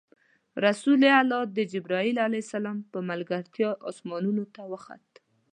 رسول الله د جبرایل ع په ملګرتیا اسمانونو ته وخوت.